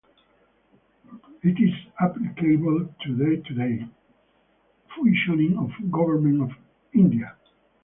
It is applicable to day-to-day functioning of Government of India.